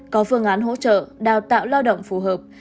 có phương án hỗ trợ đào tạo lao động phù hợp